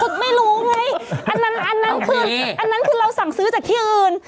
คุณไม่รู้ไงอันนั้นคือเราสั่งซื้อจากที่อื่น